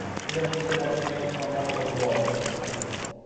Today the school has students from all over the world.